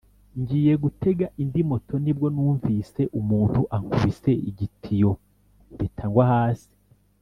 ngiye gutega indi moto nibwo numvise umuntu ankubise igitiyo mpita ngwa hasi”